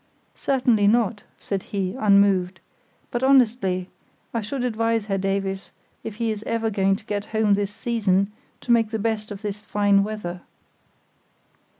"Certainly not," said he, unmoved; "but, honestly, I should advise Herr Davies, if he is ever going to get home this season, to make the best of this fine weather."